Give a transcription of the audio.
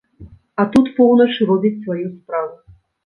А тут поўнач робіць сваю справу.